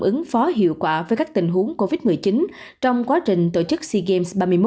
ứng phó hiệu quả với các tình huống covid một mươi chín trong quá trình tổ chức sea games ba mươi một